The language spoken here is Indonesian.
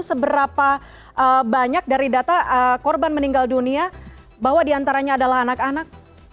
seberapa banyak dari data korban meninggal dunia bahwa diantaranya adalah anak anak